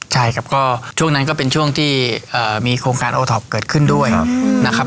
ใช่ครับก็ช่วงนั้นก็เป็นช่วงที่มีโครงการโอท็อปเกิดขึ้นด้วยนะครับ